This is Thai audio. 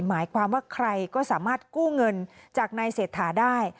หมายความว่าใครก็สามารถกู้เงินจากนายเศรษฐาได้